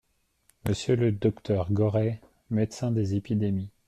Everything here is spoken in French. Monsieur le Dr Gorez, médecin des Épidémies.